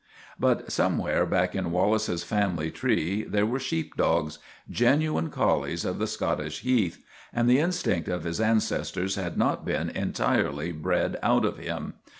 But somewhere back in Wallace's family tree there were sheepdogs genuine collies of the Scot tish heath and the instinct of his ancestors had not been entirely bred out of him.